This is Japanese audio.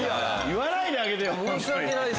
言わないであげてよ。